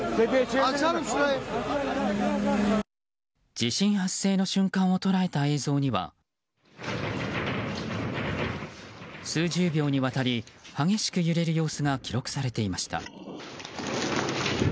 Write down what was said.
地震発生の瞬間を捉えた映像には数十秒にわたり激しく揺れる様子が記録されていました。